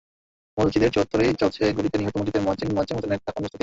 মসজিদের চত্বরেই চলছে গুলিতে নিহত মসজিদের মুয়াজ্জিন মোয়াজ্জেম হোসেনের দাফনের প্রস্তুতি।